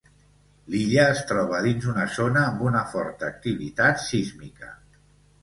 L'illa es troba dins una zona amb una forta activitat sísmica.